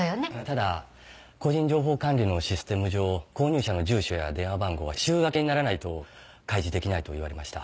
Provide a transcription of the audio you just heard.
ただ個人情報管理のシステム上購入者の住所や電話番号は週明けにならないと開示できないと言われました。